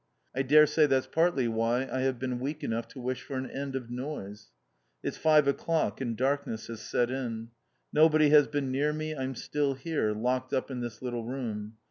I daresay that's partly why I have been weak enough to wish for an end of noise. It's five o'clock and darkness has set in. Nobody has been near me, I'm still here, locked up in this little room.